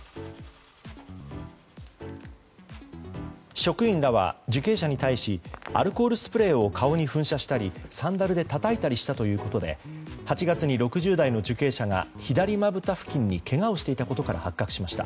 職員らは受刑者らに対しアルコールスプレーを顔に噴射したりサンダルでたたいたりしたということで８月に６０代の受刑者が左まぶた付近にけがをしていたことから発覚しました。